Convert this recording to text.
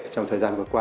trong thời gian vừa qua